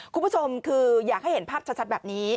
คุณผู้ชมคืออยากให้เห็นภาพชัดแบบนี้